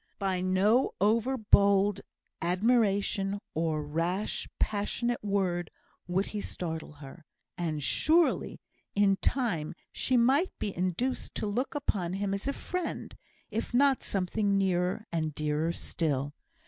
By no over bold admiration, or rash, passionate word, would he startle her; and, surely, in time she might be induced to look upon him as a friend, if not something nearer and dearer still.